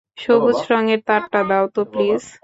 সবুজ রঙের তারটা দাও তো, প্লিজ?